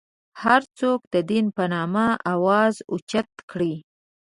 هر څوک د دین په نامه اواز اوچت کړي.